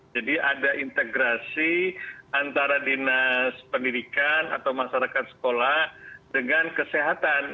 jadi ada integrasi antara dinas pendidikan atau masyarakat sekolah dengan kesehatan